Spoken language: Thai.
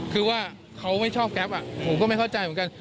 คือว่าเขาไม่ชอบแก๊ปผมก็ไม่เข้าใจเหมือนกัน